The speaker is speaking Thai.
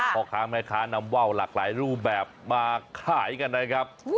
เราขางให้ขานำว่าวหลากหลายรูปแบบมาขายกันเลยครับ